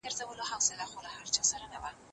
املا د زده کړي د بهیر یو پیاوړی عنصر دی.